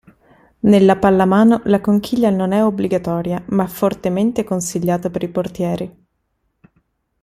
Nella pallamano la conchiglia non è obbligatoria ma fortemente consigliata per i portieri.